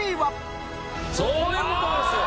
そういう事ですよ。